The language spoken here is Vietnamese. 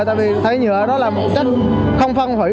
tại vì rác thải nhựa là một chất không phân hủy